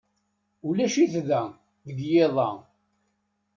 Ulac-it da deg yiḍ-a.